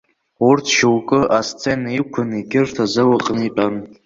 Урҭ шьоукы асцена иқәын, егьырҭ азал аҟны итәан.